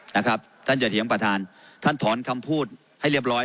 นะครับท่านอย่าเถียงประธานท่านถอนคำพูดให้เรียบร้อย